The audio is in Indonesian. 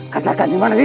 katakan dimana dia